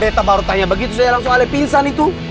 betta baru tanya begitu saya langsung alih pingsan itu